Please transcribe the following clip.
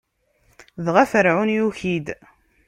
Dɣa Ferɛun yuki-d.